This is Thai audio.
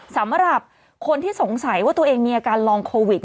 สำหรับคนที่สงสัยว่าตัวเองมีอาการลองโควิด